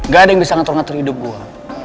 gak ada yang bisa ngatur ngatur hidup gue